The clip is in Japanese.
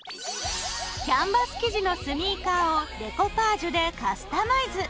キャンバス生地のスニーカーをデコパージュでカスタマイズ。